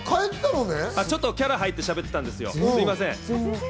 ちょっとキャラ入ってしゃべってたんですよ、すみません。